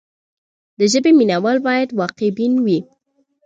د ژبې مینه وال باید واقع بین وي.